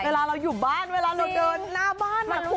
เวลาเราอยู่บ้านเวลาเราเดินหน้าบ้าน